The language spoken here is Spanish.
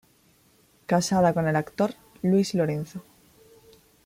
Casada con el actor Luis Lorenzo.